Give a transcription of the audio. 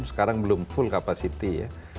sekarang belum full capacity ya